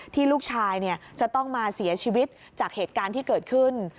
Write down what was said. ที่ลูกชายจะต้องมาเสียชีวิตจากเหตุการณ์ที่เกิดขึ้น